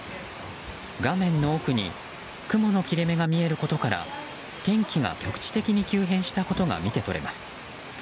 画面の奥に雲の切れ目が見えることから天気が局地的に急変したことが見て取れます。